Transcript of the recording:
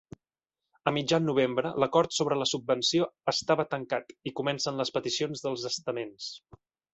A mitjan novembre l'acord sobre la subvenció estava tancat, i comencen les peticions dels estaments.